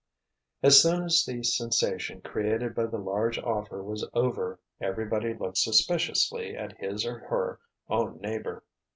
As soon as the sensation created by the large offer was over, everybody looked suspiciously at his or her own neighbor.